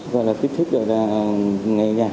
và là tiếp thức là nghe nhạc